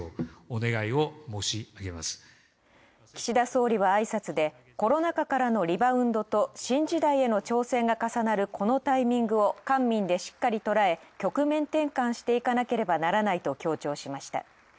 岸田総理は挨拶で「コロナ禍からのリバウンドと、新時代への挑戦が重なるこのタイミングを官民でしっかりとらえ局面転換していかなければならない」と強調しました。